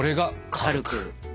「軽く」。